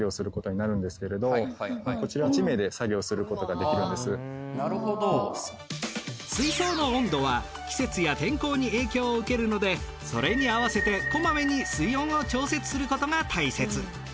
本来ですと水槽の温度は季節や天候に影響を受けるのでそれに合わせてこまめに水温を調節することが大切。